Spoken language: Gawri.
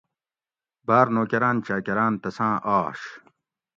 باۤر نوکراۤن چاۤکران تساۤں آش